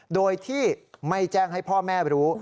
โดยที่ไม่แจ้งให้พ่อแม่รู้